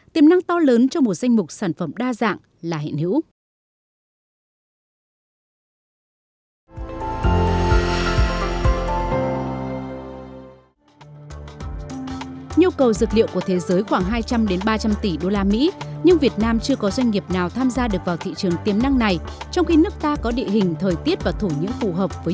tiềm năng to lớn cho một danh mục sản phẩm đa dạng là hiện hữu